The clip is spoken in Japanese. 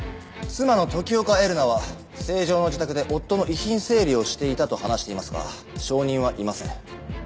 妻の時岡江留奈は成城の自宅で夫の遺品整理をしていたと話していますが証人はいません。